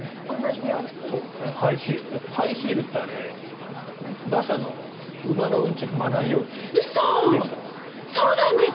ハイヒールって馬車の馬のうんちを踏まないようにできたんです。